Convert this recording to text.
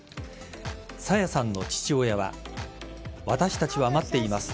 朝芽さんの父親は私たちは待っています。